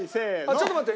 ちょっと待って。